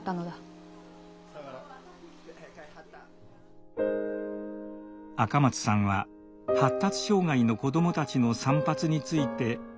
赤松さんは発達障害の子どもたちの散髪について講習を始めました。